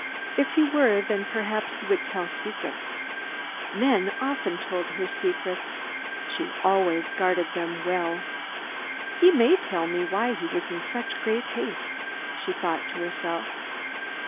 If he were, then perhaps he would tell secrets. Men often told her secrets. She always guarded them well. "He may tell me why he was in such great haste," she thought to herself.